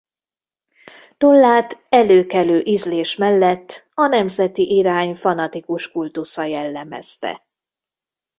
Tollát előkelő ízlés mellett a nemzeti irány fanatikus kultusza jellemezte.